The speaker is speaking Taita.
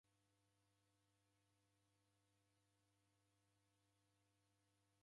Dekundikana dinughe sharia